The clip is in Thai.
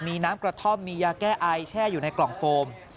มีน้ำกระท่อมมียาแก้ไอแช่อยู่ในกล่องโฟม